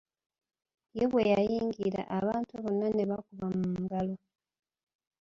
Ye bwe yayingira, abantu bonna ne bakuba mu ngalo.